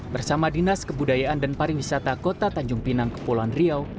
bersama dinas kebudayaan dan pariwisata kota tanjung pinang kepulauan riau